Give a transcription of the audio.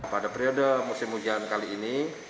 pada periode musim hujan kali ini